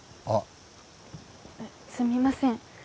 あすみません